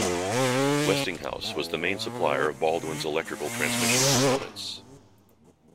Westinghouse was the main supplier of Baldwin's electrical transmission components.